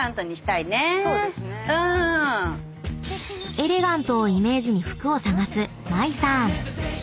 ［エレガントをイメージに服を探す麻衣さん］